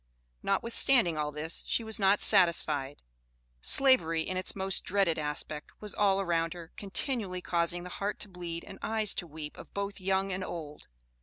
Notwithstanding all this, she was not satisfied; Slavery in its most dreaded aspect, was all around her, continually causing the heart to bleed and eyes to weep of both young and old.